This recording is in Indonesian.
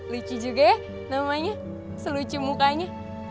lucu juga ya namanya selucu mukanya